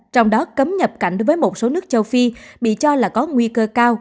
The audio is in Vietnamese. trong đó cấm nhập cảnh với một số nước châu phi bị cho là có nguy cơ cao